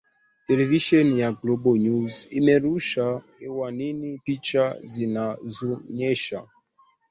Televisheni ya GloboNews imerusha hewani picha zinazoonyesha